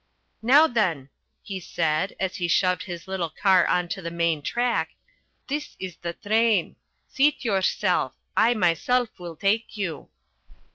"Now then," he said as he shoved his little car on to the main track, "this is the train. Seat yourself. I myself will take you."